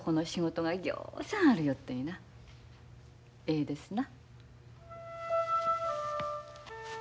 ええですな？